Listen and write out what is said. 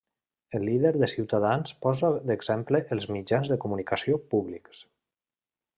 El líder de Ciutadans posa d'exemple els mitjans de comunicació públics.